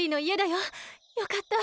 よかった。